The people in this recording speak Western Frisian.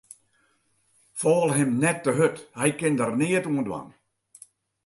Fal him net hurd, hy kin der neat oan dwaan.